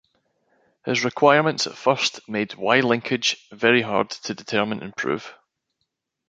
His requirements at first made Y-linkage very hard to determine and prove.